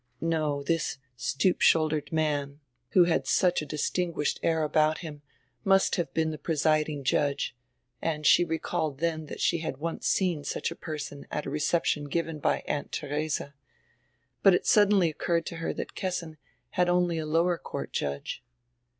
No, this stoop shouldered man, who had such a distinguished air about him, must have been die presiding judge, and she recalled dien diat she had once seen such a person at a reception given by Aunt Therese, but it sud denly occurred to her diat Kessin had only a lower court judge.